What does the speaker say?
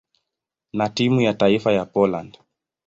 na timu ya taifa ya Poland.